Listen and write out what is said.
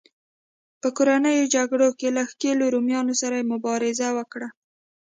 په کورنیو جګړو کې له ښکېلو رومیانو سره یې مبارزه وکړه.